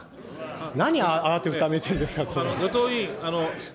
何、慌てふためいているんですか、総理。